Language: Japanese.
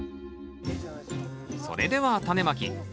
それではタネまき。